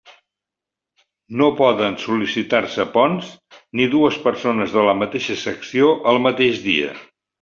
No poden sol·licitar-se ponts, ni dues persones de la mateixa secció el mateix dia.